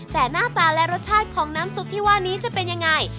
แต่หน้าตาและรสชาติของน้ำซุปที่ว่านี้จะเป็นยังไง